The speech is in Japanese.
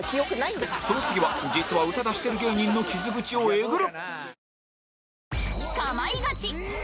その次は実は歌出してる芸人の傷口をえぐる！